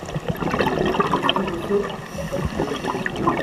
Est-ce que je sais !